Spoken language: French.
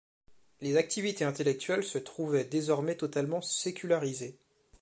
Les activités intellectuelles se trouvaient désormais totalement sécularisées.